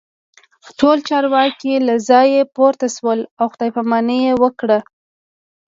ټول چارواکي له ځایه پورته شول او خداي پاماني یې وکړه